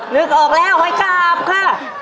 นึกออกแล้วหอยกราบค่ะ